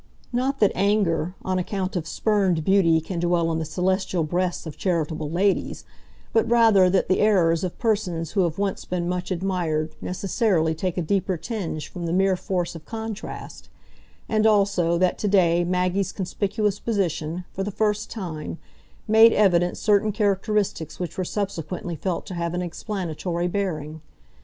Not that anger, on account of spurned beauty can dwell in the celestial breasts of charitable ladies, but rather that the errors of persons who have once been much admired necessarily take a deeper tinge from the mere force of contrast; and also, that to day Maggie's conspicuous position, for the first time, made evident certain characteristics which were subsequently felt to have an explanatory bearing.